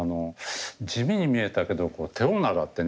地味に見えたけど手おならってね。